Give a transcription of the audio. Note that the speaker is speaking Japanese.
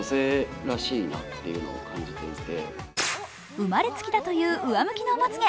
生まれつきだという上向きのまつげ。